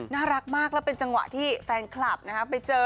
น่ารักมากแล้วเป็นจังหวะที่แฟนคลับไปเจอ